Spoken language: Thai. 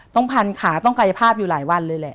ต้องพันขาต้องกายภาพอยู่หลายวันเลยแหละ